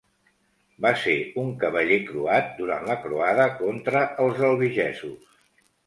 Va ser un cavaller croat durant la croada contra els albigesos.